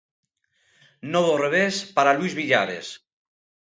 Novo revés para Luís Villares.